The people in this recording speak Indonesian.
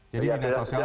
jadi dinas sosial